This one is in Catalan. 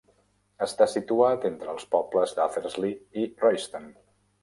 Està situat entre els pobles de Athersley i Royston.